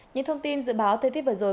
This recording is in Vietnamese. những thông tin dự báo thời tiết vừa rồi